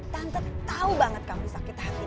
tante tahu banget kamu sakit hati